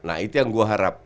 nah itu yang gue harap